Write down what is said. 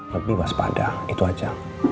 lebih waspada itu aja